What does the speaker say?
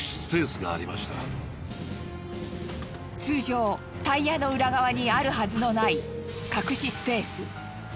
通常タイヤの裏側にあるはずのない隠しスペース。